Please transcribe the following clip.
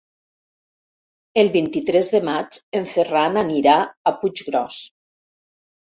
El vint-i-tres de maig en Ferran anirà a Puiggròs.